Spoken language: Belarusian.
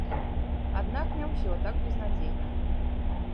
Аднак не ўсё так безнадзейна.